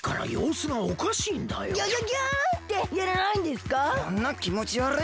そんなきもちわるい